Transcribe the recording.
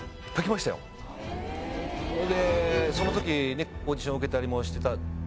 それでその時にオーディション受けたりもしてた。